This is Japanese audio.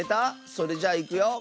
それじゃいくよ。